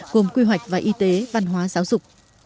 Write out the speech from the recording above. gồm quy hoạch và y tế văn hóa giáo dục